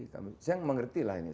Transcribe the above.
saya mengerti lah ini